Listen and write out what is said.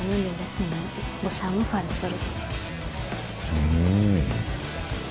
うん